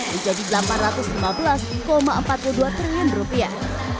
menjadi delapan ratus lima belas empat puluh dua triliun rupiah